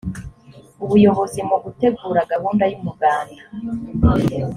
ubuyobozi mu gutegura gahunda y’umuganda.